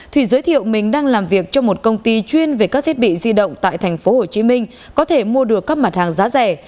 thủy giới thiệu mình đang làm việc trong một công ty chuyên về các thiết bị di động tại thành phố hồ chí minh có thể mua được các mặt hàng giá rẻ